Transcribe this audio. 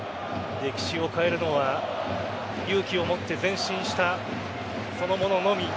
歴史を変えるのは勇気を持って前進したその者のみ。